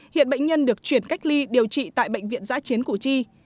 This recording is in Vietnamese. hiện bệnh nhân được chuyển cách ly điều trị tại bệnh viện giã chiến củ chi